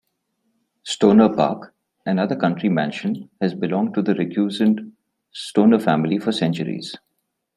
Stonor Park, another country mansion, has belonged to the recusant Stonor family for centuries.